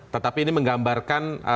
tetapi ini menggambarkan